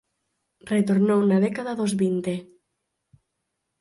Retornou na década dos vinte.